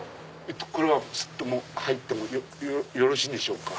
これはもう入ってもよろしいんでしょうか？